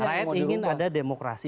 rakyat ingin ada demokrasi